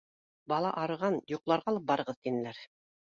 — Бала арыған, йоҡларға алып барығыҙ, — тинеләр.